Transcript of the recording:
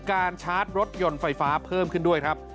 ชาร์จรถยนต์ไฟฟ้าเพิ่มขึ้นด้วยครับ